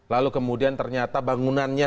lalu kemudian ternyata bangunannya